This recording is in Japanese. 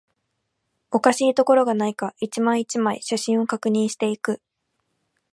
おかしいところがないか、一枚、一枚、写真を確認していく